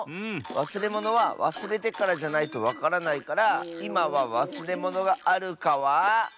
わすれものはわすれてからじゃないとわからないからいまはわすれものがあるかは。